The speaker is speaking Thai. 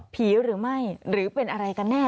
หรือไม่หรือเป็นอะไรกันแน่